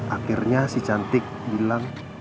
akhirnya si cantik bilang